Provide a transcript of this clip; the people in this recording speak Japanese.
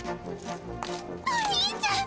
お兄ちゃん。